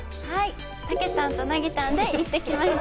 たけたんと、なぎたんで行ってきました。